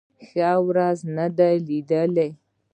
ښه ورځ نه ده لېدلې.